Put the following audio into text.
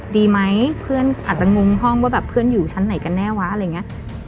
ดีไหมเพื่อนอาจจะงงห้องว่าแบบเพื่อนอยู่ชั้นไหนกันแน่วะอะไรอย่างนี้